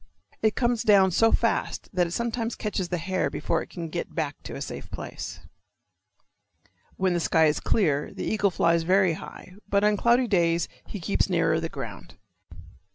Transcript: It comes down so fast that it sometimes catches the hare before it can get back to a safe place. When the sky is clear the eagle flies very high, but on cloudy days he keeps nearer the ground.